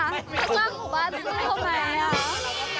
เจ้าของหมู่บ้านจะสู้เขาไหมล่ะ